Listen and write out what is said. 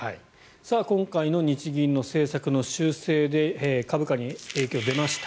今回の日銀の政策の修正で株価に影響が出ました。